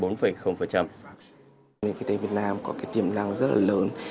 nền kinh tế việt nam có cái tiềm năng rất là lớn